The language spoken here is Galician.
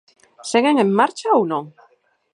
¿Seguen en marcha ou non?